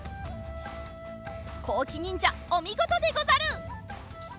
こうきにんじゃおみごとでござる！